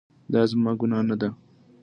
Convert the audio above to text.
دا زما ګناه نه ده